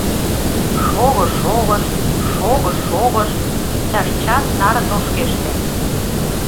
Шогыш-шогыш, шогыш-шогыш, иктаж час наре тошкеште.